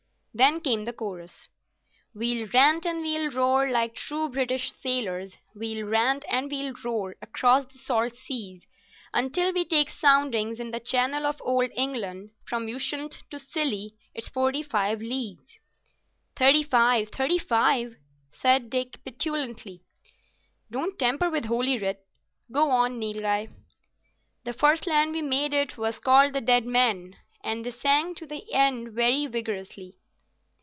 Then came the chorus— "We'll rant and we'll roar like true British sailors, We'll rant and we'll roar across the salt seas, Until we take soundings in the Channel of Old England From Ushant to Scilly 'tis forty five leagues." "Thirty five thirty five," said Dick, petulantly. "Don't tamper with Holy Writ. Go on, Nilghai." "The first land we made it was called the Deadman," and they sang to the end very vigourously.